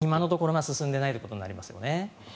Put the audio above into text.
今のところ進んでいないということになりますよね。